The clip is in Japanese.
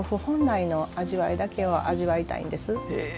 本来の味わいだけを味わいたいんです。